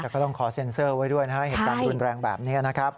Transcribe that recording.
แต่ก็ต้องขอเซ็นเซอร์ไว้ด้วยนะฮะเหตุการณ์รุนแรงแบบนี้นะครับ